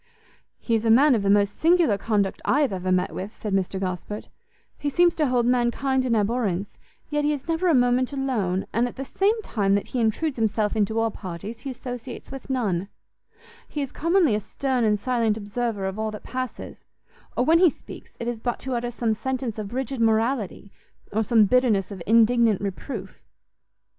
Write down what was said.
"He is a man of the most singular conduct I have ever met with," said Mr Gosport; "he seems to hold mankind in abhorrence, yet he is never a moment alone, and at the same time that he intrudes himself into all parties, he associates with none: he is commonly a stern and silent observer of all that passes, or when he speaks, it is but to utter some sentence of rigid morality, or some bitterness of indignant reproof."